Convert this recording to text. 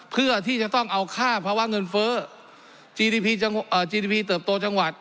เพื่อที่จะต้องเอาค่าภาวะเงินเฟ้อจีดีพีเติบโตจังหวัด